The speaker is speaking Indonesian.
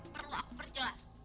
perlu aku perjelas